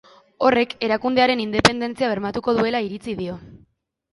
Horrek, erakundearen independentzia bermatuko duela iritzi dio.